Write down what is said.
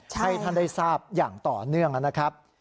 ให้ท่านได้ทราบอย่างต่อเนื่องนะครับ